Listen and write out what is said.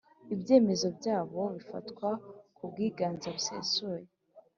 Ibyemezo byayo bifatwa ku bwiganze busesuye